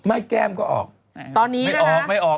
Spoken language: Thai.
ไม่แก้มก็ออก